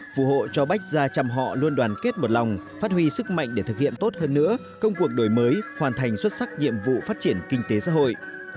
phù hộ cho bách gia chăm họ luôn đoàn kết một lòng phát huy sức mạnh để thực hiện tốt hơn nữa công cuộc đổi mới hoàn thành xuất sắc nhiệm vụ phát triển kinh tế xã hội